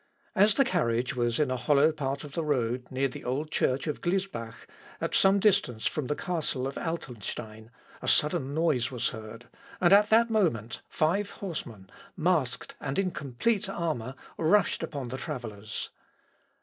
As the carriage was in a hollow part of the road, near the old church of Glisbach, at some distance from the castle of Altenstein, a sudden noise was heard, and at that moment five horsemen, masked and in complete armour, rushed upon the travellers.